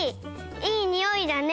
いいにおいだね。